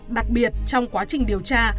đặc biệt trong quá trình điều tra